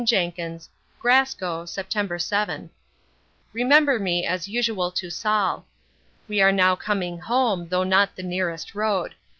JENKINS GRASCO, Sept. 7. Remember me, as usual, to Sall. We are now coming home, though not the nearest road.